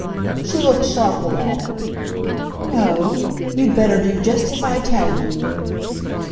She looked sharply at him. "No; you'd better do just as I tell you."